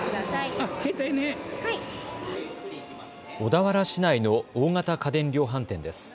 小田原市内の大型家電量販店です。